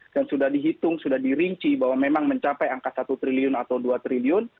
dan sudah dihitung sudah dirinci bahwa memang mencapai angka satu triliun atau dua triliun